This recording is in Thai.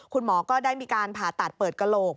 คุณหมอก็ได้มีการผ่าตัดเปิดกระโหลก